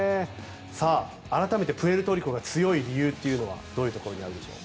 改めてプエルトリコが強い理由というのはどういうところにあるでしょう？